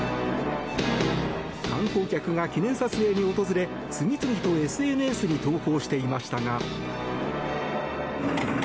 観光客が記念撮影に訪れ、次々とＳＮＳに投稿していましたが。